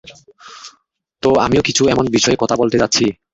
তো আমিও কিছু এমন বিষয়ে কথা বলতে যাচ্ছি।